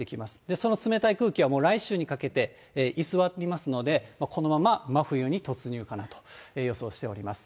その冷たい空気はもう来週にかけて居座りますので、このまま真冬に突入かなと予想しております。